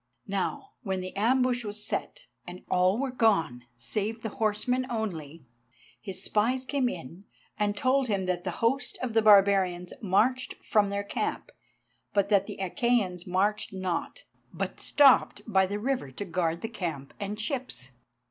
Now, when the ambush was set, and all were gone save the horsemen only, his spies came in and told him that the host of the barbarians marched from their camp, but that the Achæans marched not, but stopped by the river to guard the camp and ships.